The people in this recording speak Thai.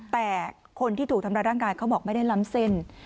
แต่คนที่ถูกทำร้ายร่างกายเขาบอกไม่ได้ล้ำเส้น